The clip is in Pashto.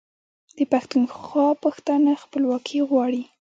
د پښتونخوا پښتانه خپلواکي غواړي.